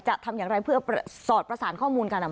ทำอย่างไรเพื่อสอดประสานข้อมูลกัน